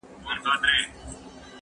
زه به نان خوړلی وي!؟